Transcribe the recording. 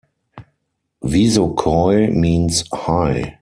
Visokoi means "high".